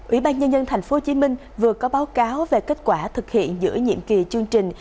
ủy ban nhân dân thành phố hồ chí minh vừa có báo cáo về kết quả thực hiện giữa nhiệm kỳ chương trình